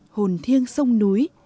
hồn thiêng sông núi